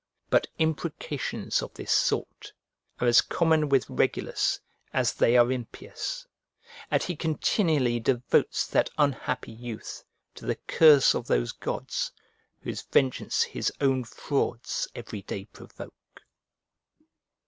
But imprecations of this sort are as common with Regulus as they are impious; and he continually devotes that unhappy youth to the curse of those gods whose vengeance his own frauds every day provoke.